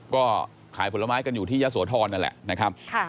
ก็ขายผลไม้กันอยู่ที่ยะโสธรนั่นแหละนะครับ